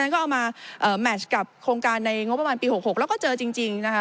ก็เอามาแมชกับโครงการในงบประมาณปี๖๖แล้วก็เจอจริงนะคะ